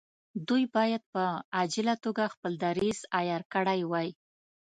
دوی باید په عاجله توګه خپل دریځ عیار کړی وای.